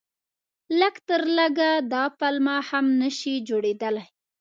لږ تر لږه دا پلمه هم نه شي جوړېدلای.